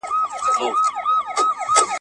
نیمګړې مسوده نه تاییدول کېږي.